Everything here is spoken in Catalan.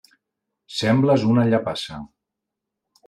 Sembles una llepassa.